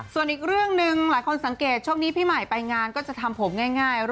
ส่วนอีกเรื่องหนึ่งหลายคนสังเกตช่วงนี้พี่ใหม่ไปงานก็จะทำผมง่าย